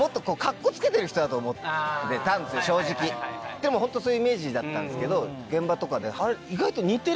でもホントそういうイメージだったんですけど現場とかで意外と。